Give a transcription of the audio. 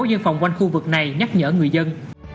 dân phòng quanh khu vực này nhắc nhở người dân